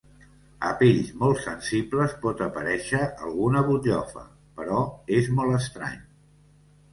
A pells molt sensibles pot aparèixer alguna butllofa, però és molt estrany.